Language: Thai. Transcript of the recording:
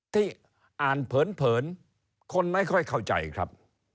ที่อ่านเผินคนไม่ค่อยเข้าใจครับ